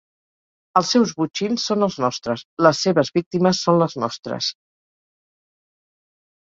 Els seus botxins són els nostres, les seves víctimes són les nostres.